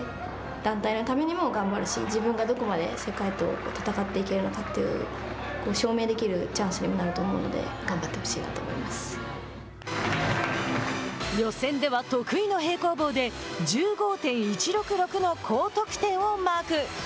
団体のためにも頑張るし、自分がどこまで世界と戦っていけるのかを証明できるチャンスにもなると思うので予選では得意の平行棒で１５．１６６の高得点をマーク。